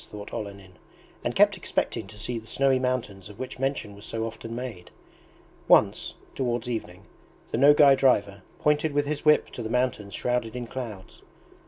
thought Olenin, and kept expecting to see the snowy mountains of which mention was so often made. Once, towards evening, the Nogay driver pointed with his whip to the mountains shrouded in clouds.